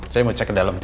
saya mau cek ke dalam